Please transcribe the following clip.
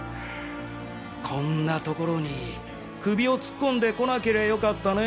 こんな所に首を突っ込んでこなけりゃよかったね